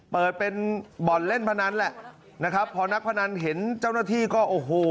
เปิดเป็นบ่อนเล่นพนันแหละนะครับพอนักพนันเห็นเจ้าหน้าที่ก็โอ้โห